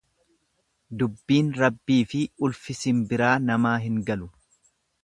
Dubbiin Rabbifi ulfi sinbiraa namaa hin galu.